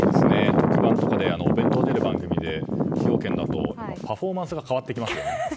特番とかでお弁当が出る番組で崎陽軒だと、パフォーマンスが変わってきますよね。